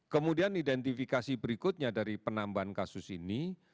kemudian identifikasi berikutnya dari penambahan kasus ini